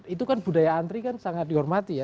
itu kan budaya antri kan sangat dihormati ya